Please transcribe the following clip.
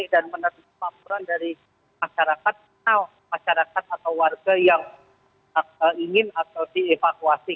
dan menurut laporan dari masyarakat atau warga yang ingin atau dievakuasi